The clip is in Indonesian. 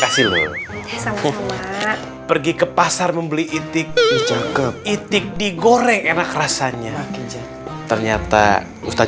kasih lu sama sama pergi ke pasar membeli itik di goreng enak rasanya ternyata ustadz